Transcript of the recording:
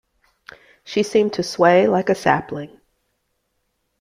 She seemed to sway like a sapling.